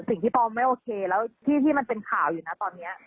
ปอลไม่โอเคแล้วที่มันเป็นข่าวอยู่นะตอนนี้